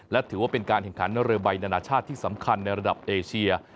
และถือว่าเป็นการแข่งขันเรือใบนานาชาติที่สำคัญในระดับเอเชีย